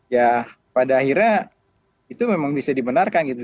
ya pada akhirnya itu memang bisa dibenarkan gitu